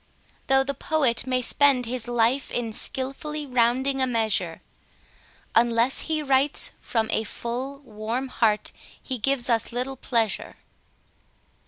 Though the poet may spend his life in skilfully rounding a measure, Unless he writes from a full, warm heart he gives us little pleasure.